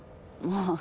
まあ。